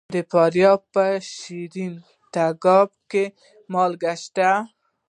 د فاریاب په شیرین تګاب کې مالګه شته.